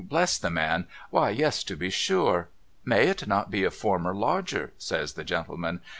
' Bless the man ! Why yes to be sure !'' May it not be a former lodger ?' says the gentleman.